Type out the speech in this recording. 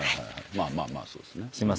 まあまあまあそうですね。